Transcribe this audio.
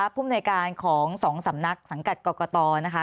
ภูมิในการของ๒สำนักสังกัดกรกตนะคะ